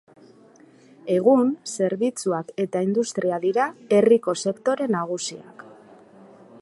Egun, zerbitzuak eta industria dira herriko sektore nagusiak.